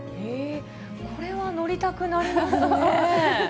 これは乗りたくなりますね。